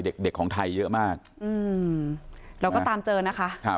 เด็กเด็กของไทยเยอะมากอืมเราก็ตามเจอนะคะครับ